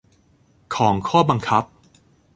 ของข้อบังคับ